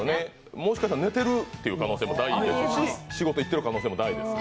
もしかしたら寝てるって可能性も大ですし、仕事行っている可能性も大です。